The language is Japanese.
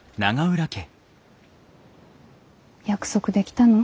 約束できたの？